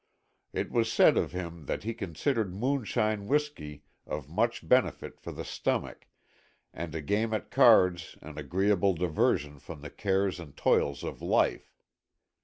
It was said of him that he considered moonshine whiskey of much benefit for the stomach, and a game at cards an agreeable diversion from the cares and toils of life.